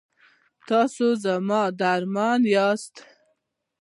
تاسې زما درمان یاست؟